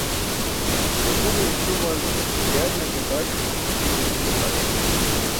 Ẓakune isumal yarne ke qaṣ, iljine ke qaṣ.